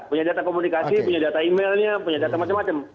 punya data komunikasi punya data emailnya punya data macam macam